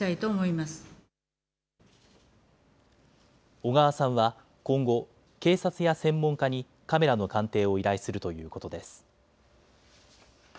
小川さんは今後、警察や専門家にカメラの鑑定を依頼するということです。